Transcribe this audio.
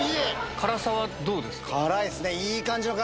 辛さはどうですか？